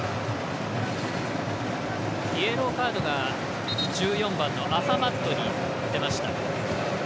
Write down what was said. イエローカードが１４番のアハマッドに出ました。